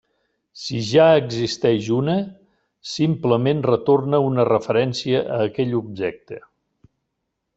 Si ja existeix una, simplement retorna una referència a aquell objecte.